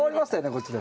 こっちで。